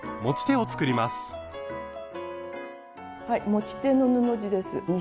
はい持ち手の布地です。